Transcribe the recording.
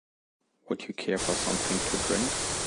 Would you care for something to drink?